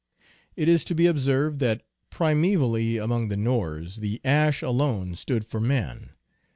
It is to be observed that primevally among the Norse the ash alone stood for man.